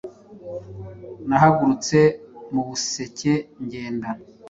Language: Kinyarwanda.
Nahagurutse mu museke Genda!